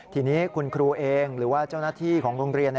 ทีนี้คุณครูเองหรือว่าเจ้าหน้าที่ของโรงเรียน